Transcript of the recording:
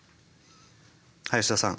林田さん。